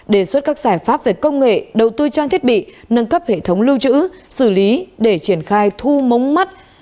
đề xuất các giải pháp về công nghệ đầu tư trang thiết bị nâng cấp hệ thống lưu trữ xử lý để triển khai thu mống mắt